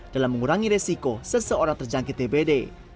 dalam mengurangi resiko seseorang terjangkit dpd